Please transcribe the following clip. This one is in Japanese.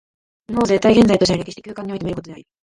物を絶対現在としての歴史的空間において見ることであり、